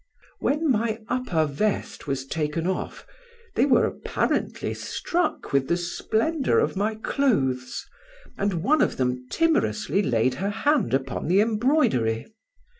When my upper vest was taken off, they were apparently struck with the splendour of my clothes, and one of them timorously laid her hand upon the embroidery.